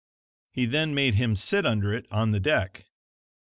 He then made him sit under it on the deck.